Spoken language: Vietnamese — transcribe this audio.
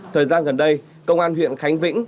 thời gian gần đây công an huyện khánh vĩnh